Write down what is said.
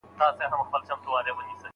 هغه تر تا ډېر مړ ږدن ډنډ ته نږدې ګڼي.